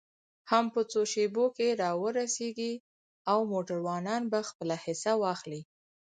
هم په څو شیبو کې را ورسېږي او موټروانان به خپله حصه واخلي.